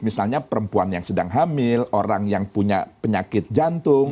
misalnya perempuan yang sedang hamil orang yang punya penyakit jantung